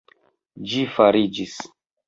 Ĝi fariĝis!